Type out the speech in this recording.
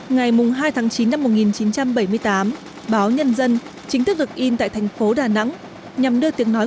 ngày hai tháng chín năm một nghìn chín trăm bảy mươi tám báo nhân dân chính thức được in tại thành phố đà nẵng nhằm đưa tiếng nói